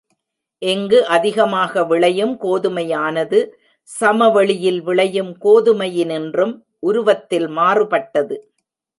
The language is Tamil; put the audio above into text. இங்கு அதிகமாக விளையும் கோதுமையானது, சமவெளியில் விளையும் கோதுமையினின்றும் உருவத்தில் மாறுபட்டது.